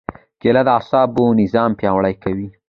کېله د اعصابو نظام پیاوړی کوي.